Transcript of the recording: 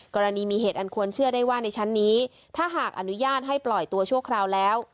กรณีมีเหตุอันควรเชื่อได้ว่าในชั้นนี้ถ้าหากอนุญาตให้ปล่อยตัวชั่วคราวแล้ว